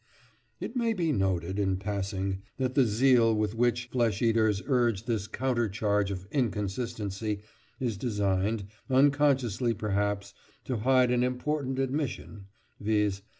It may be noted, in passing, that the zeal with which flesh eaters urge this counter charge of "inconsistency" is designed, unconsciously perhaps, to hide an important admission—viz.